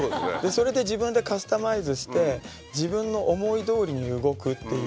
それで自分でカスタマイズして自分の思いどおりに動くっていう。